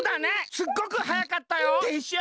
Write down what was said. すっごくはやかったよ。でしょ？